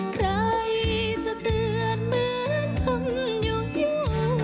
ใครจะเตือนเหมือนคนยกอยู่